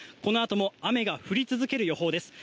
このあとも雨が降り続ける予報です。